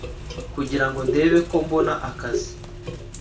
kugira ngo ndebe ko mbona akazi